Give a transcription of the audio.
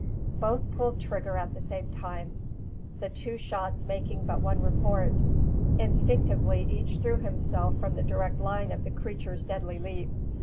Both pulled trigger at the same time, the two shots making but one report. Instinctively each threw himself from the direct line of the creature's deadly leap.